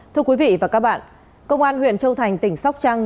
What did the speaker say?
thưa quý vị và các bạn công an huyện châu thành tỉnh sóc trăng